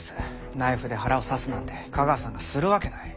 ナイフで腹を刺すなんて架川さんがするわけない。